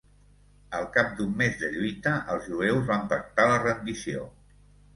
Al cap d'un mes de lluita els jueus van pactar la rendició.